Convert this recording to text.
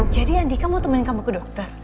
jadi andika mau temenin kamu ke dokter